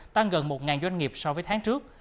tăng gần một doanh nghiệp so với tháng trước